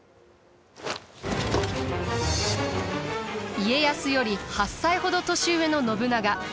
家康より８歳ほど年上の信長。